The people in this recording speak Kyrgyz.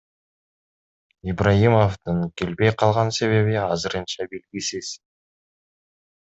Ибраимовдун келбей калган себеби азырынча белгисиз.